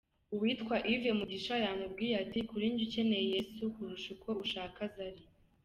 Uwitwa Yves Mugisha yamubwiye ati “Kuri njye ukeneye Yesu kurusha uko ushaka Zari.